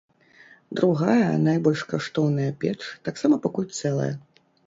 Другая, найбольш каштоўная печ, таксама пакуль цэлая.